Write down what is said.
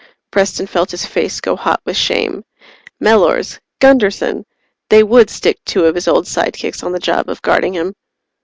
Preston felt his face go hot with shame. Mellors! Gunderson! They would stick two of his old sidekicks on the job of guarding him.